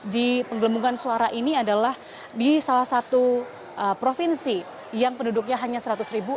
di penggelembungan suara ini adalah di salah satu provinsi yang penduduknya hanya seratus ribu